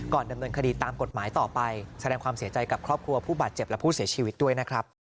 ดำเนินคดีตามกฎหมายต่อไปแสดงความเสียใจกับครอบครัวผู้บาดเจ็บและผู้เสียชีวิตด้วยนะครับ